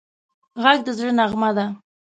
غږ د زړه نغمه ده